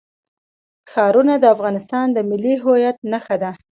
ښارونه د افغانستان د ملي هویت نښه ده.